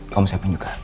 kamu siapkan juga